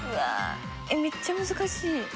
えっめっちゃ難しい。